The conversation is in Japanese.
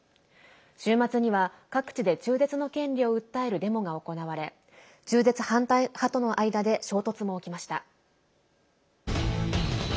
週末には各地で中絶の権利を訴えるデモが行われ中絶反対派との間で衝突も起きました。